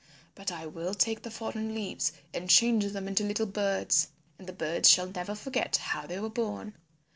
But I will take the fallen leaves and change them into little birds. And the birds shall never forget how they were born.